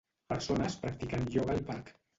Persones practicant ioga al parc.